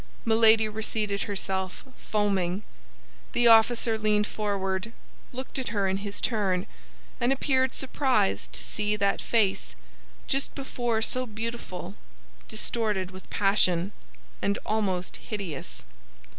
Milady reseated herself, foaming. The officer leaned forward, looked at her in his turn, and appeared surprised to see that face, just before so beautiful, distorted with passion and almost hideous.